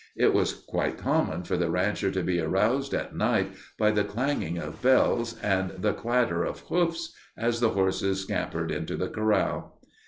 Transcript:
It was quite common for the rancher to be aroused at night by the clanging of bells and the clatter of hoofs as the horses scampered into the corral.